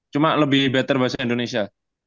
cuma lebih better bahasa indonesia